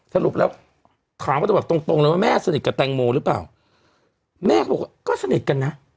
สรุปแล้วถามว่าจะแบบตรงตรงเลยว่าแม่สนิทกับแตงโมหรือเปล่าแม่เขาบอกว่าก็สนิทกันนะ